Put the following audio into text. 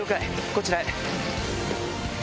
こちらへ。